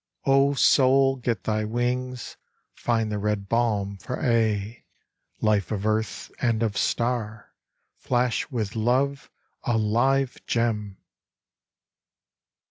O soul, get thy wings, Find the red balm for aye, (Life of earth and of star!) Flash with love, a live gem!